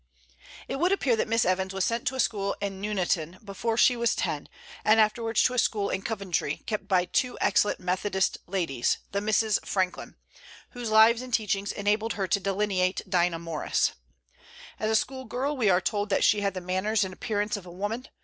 It would appear that Miss Evans was sent to a school in Nuneaton before she was ten, and afterwards to a school in Coventry, kept by two excellent Methodist ladies, the Misses Franklin, whose lives and teachings enabled her to delineate Dinah Morris. As a school girl we are told that she had the manners and appearance of a woman.